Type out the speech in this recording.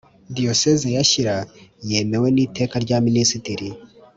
Diyoseze ya Shyira yemewe n’Iteka rya Minisitiri